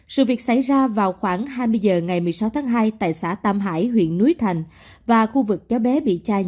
sự việc xảy ra vào khoảng hai mươi h ngày một mươi sáu tháng hai tại xã tam hải huyện núi thành và khu vực cháu bé bị chai